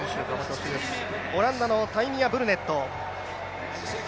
オランダのタイミア・ブルネット。